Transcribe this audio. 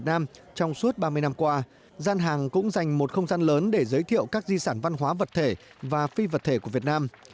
trong suốt ba mươi năm qua gian hàng cũng dành một không gian lớn để giới thiệu các di sản văn hóa vật thể và phi vật thể của việt nam